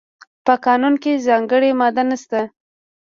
په قانون کې ځانګړې ماده نشته.